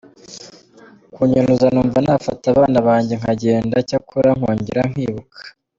kunyanduza numva nafata abana banjye nkagenda cyakora nkongera nkibuka.